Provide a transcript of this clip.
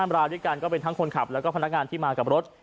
รายด้วยกันก็เป็นทั้งคนขับแล้วก็พนักงานที่มากับรถ